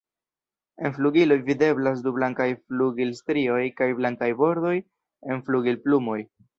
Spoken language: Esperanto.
En flugiloj videblas du blankaj flugilstrioj kaj blankaj bordoj en flugilplumoj.